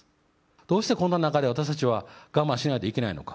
どうしてこんな中で私たちは我慢しないといけないのか。